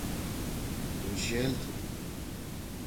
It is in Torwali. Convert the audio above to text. تُو شیل تُھو۔